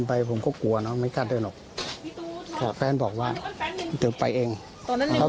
พี่บุหรี่พี่บุหรี่พี่บุหรี่พี่บุหรี่พี่บุหรี่